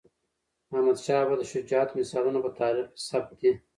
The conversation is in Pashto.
احمدشاه بابا د شجاعت مثالونه په تاریخ کې ثبت دي.